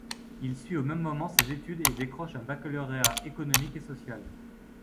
Il suit au même moment ses études et décroche un baccalauréat économique et social.